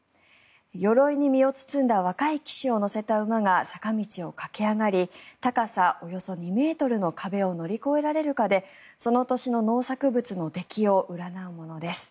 よろいに身を包んだ若い騎士を乗せた馬が坂道を駆け上がり高さおよそ２ｍの壁を乗り越えられるかでその年の農作物の出来を占うものです。